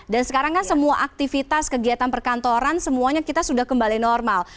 dan sekarang kan semua aktivitas kegiatan perkantoran semuanya kita sudah kembali normal